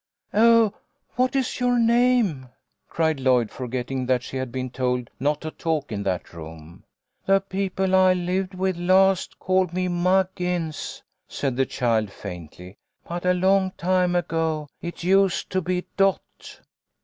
" Oh, what is your name ?" cried Lloyd, forgetting that she had been told not to talk in that room. " The people I lived with last called me Muggins," said the child, faintly, " but a long time ago it used to be Dot."